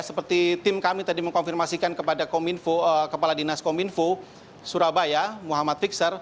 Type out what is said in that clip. seperti tim kami tadi mengkonfirmasikan kepada kepala dinas kominfo surabaya muhammad fixer